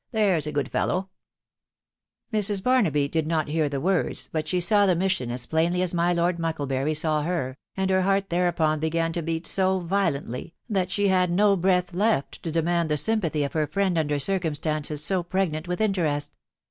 there's a good fellow* Mrs. Barnaby did not hear the words, but she saw the ma* 8ion as plainly as my Lord Mucklebury saw her, and her bent thereupon began to beat so violently, that she had no breath left to demand the sympathy of her friend under circumstaneei so pregnant with interest.